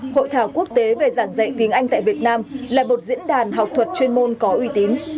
hội thảo quốc tế về giảng dạy tiếng anh tại việt nam là một diễn đàn học thuật chuyên môn có uy tín